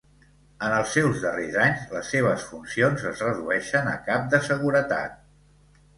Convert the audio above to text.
En els seus darrers anys, les seves funcions es redueixen a cap de seguretat.